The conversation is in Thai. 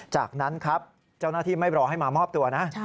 จากนั้นครับเจ้าหน้าที่ไม่รอให้มามอบตัวนะ